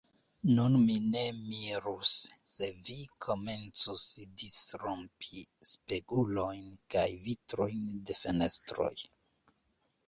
Nun mi ne mirus, se vi komencus disrompi spegulojn kaj vitrojn de fenestroj.